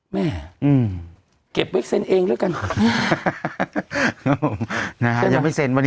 ไม่ต้องร้องครับ